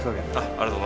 ありがとな。